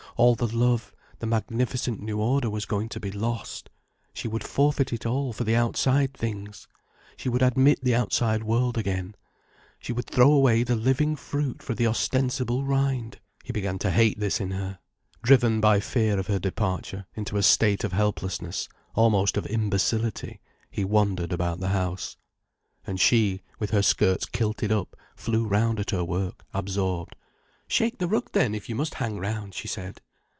All the love, the magnificent new order was going to be lost, she would forfeit it all for the outside things. She would admit the outside world again, she would throw away the living fruit for the ostensible rind. He began to hate this in her. Driven by fear of her departure into a state of helplessness, almost of imbecility, he wandered about the house. And she, with her skirts kilted up, flew round at her work, absorbed. "Shake the rug then, if you must hang round," she said.